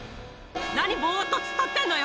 何、ぼーっと突っ立ってるのよ。